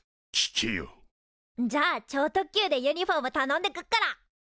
じゃあ超特急でユニフォームたのんでっくから。